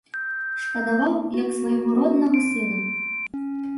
Шкадаваў, як свайго роднага сына.